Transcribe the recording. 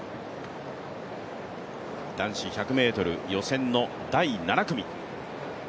男子１００ｍ予選の第７組。